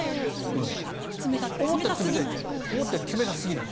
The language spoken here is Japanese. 思ったより冷たすぎない。